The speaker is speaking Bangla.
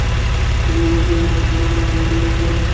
তুমি বিবাহ করিলে অপরাধ হয় না, আর আমি করিলেই অপরাধ?